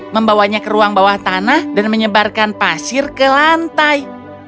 membawanya ke ruang bawah tanah dan menyebarkan pasir ke lantai